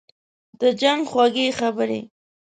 « د جنګ خوږې خبري